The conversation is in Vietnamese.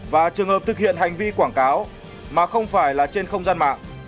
và trường hợp thực hiện hành vi quảng cáo mà không phải là trên không gian mạng